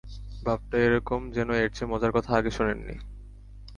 ভাবটা এ-রকম, যেন এর চেয়ে মজার কথা আগে শোনেন নি।